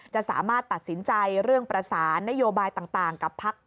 จะสามารถตัดสินใจเรื่องประสานนโยบายต่างกับพัก